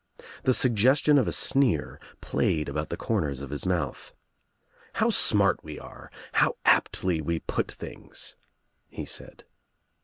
The suggestion of a sneer played about the corners of his mouth. "How smart we are. How aptly we put things," he said.